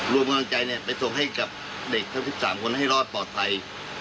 รวมกำลังใจไปส่งให้กับเด็กทั้ง๑๓คนให้รอดปลอดภัย